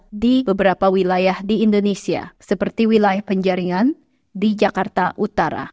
ada di beberapa wilayah di indonesia seperti wilayah penjaringan di jakarta utara